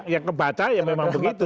yang kebaca ya memang begitu